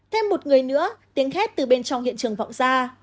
thêm một người nữa tiếng khét từ bên trong hiện trường vọng ra